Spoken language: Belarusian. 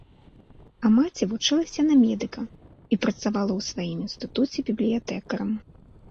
А маці вучылася на медыка і працавала ў сваім інстытуце бібліятэкарам.